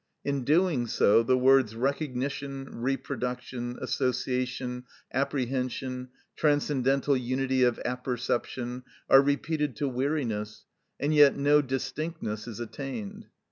In doing so, the words recognition, reproduction, association, apprehension, transcendental unity of apperception, are repeated to weariness, and yet no distinctness is attained.